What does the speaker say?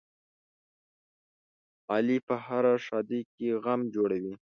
علي په هره ښادۍ کې غم جوړوي.